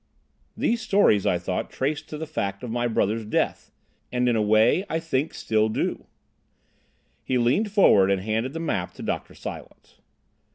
These stories I thought I traced to the fact of my brother's death—and, in a way, I think so still." He leant forward and handed the map to Dr. Silence.